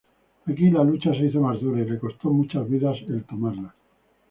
Aquí la lucha se hizo más dura y costó muchas vidas el tomarla.